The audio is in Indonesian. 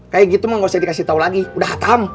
kayak gitu mah gak usah dikasih tau lagi udah hatam